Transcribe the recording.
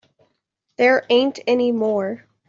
There ain't any more.